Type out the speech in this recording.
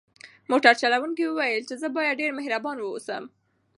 موټر چلونکي وویل چې زه باید ډېر مهربان واوسم.